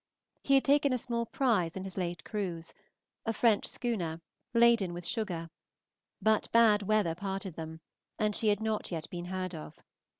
He had taken a small prize in his late cruise, a French schooner, laden with sugar; but bad weather parted them, and she had not yet been heard of.